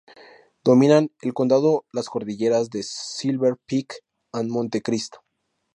Dominan el condado las cordilleras de Silver Peak and Monte Cristo.